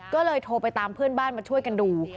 ก็เลยโทรไปตามเพื่อนบ้านมาช่วยกันดู